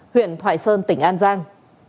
huyện thoại sơn tỉnh an giang